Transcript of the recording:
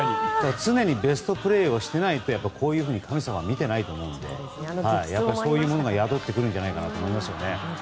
常にベストプレーをしていないとこういうふうに神様は見ていないと思うんでそういうものが宿ってくるんじゃないかと思いますね。